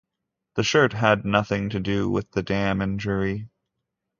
The shirt had nothing to do with the damn injury.